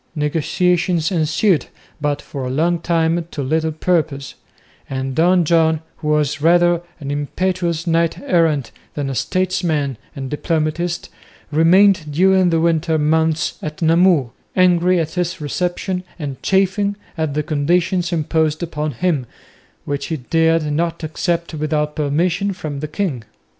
Negotiations ensued, but for a long time to little purpose; and Don John, who was rather an impetuous knight errant than a statesman and diplomatist, remained during the winter months at Namur, angry at his reception and chafing at the conditions imposed upon him, which he dared not accept without permission from the king.